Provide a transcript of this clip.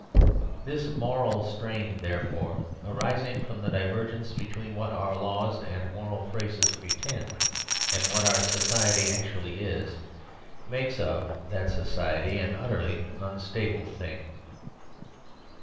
This moral strain, therefore, arising from the diver gence between what our laws and moral phrases pre tend, and what our society actually is, makes of , that society an utterly unstable thing.